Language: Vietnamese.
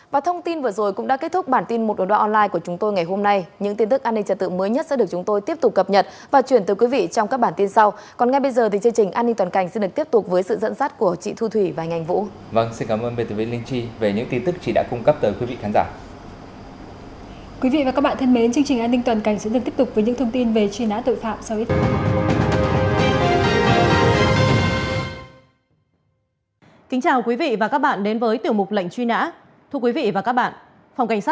quý vị và các bạn thân mến chương trình an ninh toàn cảnh sẽ tiếp tục với những thông tin về truy nã tội phạm